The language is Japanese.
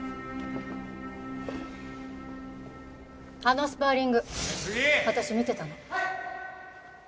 あのスパーリング私見てたの。